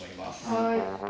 はい。